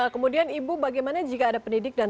kemudian ibu bagaimana jika ada pendidik dan